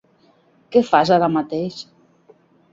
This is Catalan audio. Què fas ara mateix?